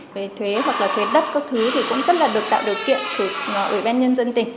về thuế hoặc là thuế đất các thứ thì cũng rất là được tạo điều kiện cho ủy ban nhân dân tỉnh